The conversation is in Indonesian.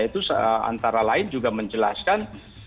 itu antara lain juga menjelaskan